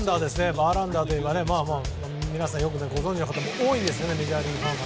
バーランダーといえば皆さんよくご存じの方も多いと思いますがメジャーリーグファンは。